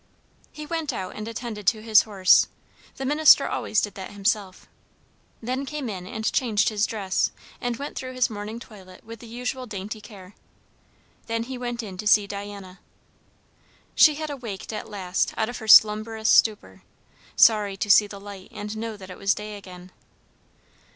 He went out and attended to his horse; the minister always did that himself. Then came in and changed his dress, and went through his morning toilet with the usual dainty care. Then he went in to see Diana. She had awaked at last out of her slumberous stupor, sorry to see the light and know that it was day again.